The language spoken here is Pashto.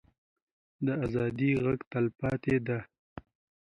د ازادۍ غږ تلپاتې دی